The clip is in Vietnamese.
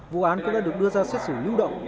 vụ án cũng đã được đưa ra xét xử lưu động